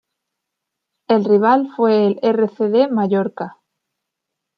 El rival fue el R. C. D. Mallorca.